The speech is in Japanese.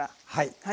はい。